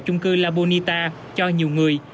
trung cư la bonita cho nhiều người